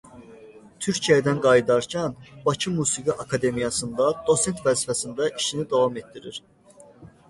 Türkiyədən qayıdarkən Bakı Musiqi Akademiyasında dosent vəzifəsində işini davam etdirir.